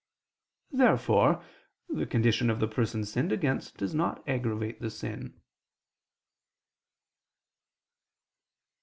Therefore the condition of the person sinned against does not aggravate the sin.